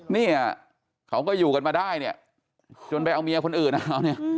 นี่เขาก็อยู่กันมาได้จนไปเอาเมียคนอื่นเอา